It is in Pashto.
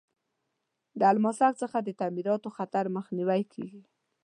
د الماسک څخه د تعمیراتو خطر مخنیوی کیږي.